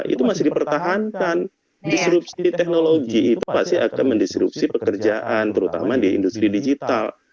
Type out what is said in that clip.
itu masih dipertahankan disrupsi teknologi itu pasti akan mendisrupsi pekerjaan terutama di industri digital